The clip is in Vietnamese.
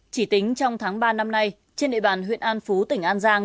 chỉ tính trong tháng ba năm nay trên địa bàn huyện an phú tỉnh an giang